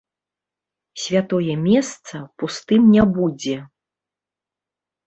Святое месца пустым не будзе.